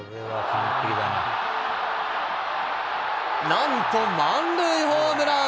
なんと満塁ホームラン。